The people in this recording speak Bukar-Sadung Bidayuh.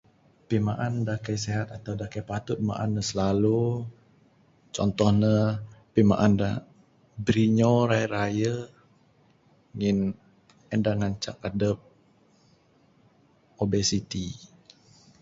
Pimaan da kaii sehat atau da kaii patut maan ne silalu contoh ne pimaan da birinyo raye-raye ngin en da ngancak adep obesiti.